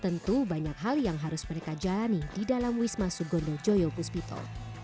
tentu banyak hal yang harus mereka jalani di dalam wisma sugondo joyo puspito